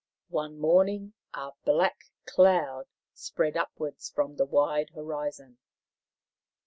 One morning a black cloud spread upwards from the wide horizon.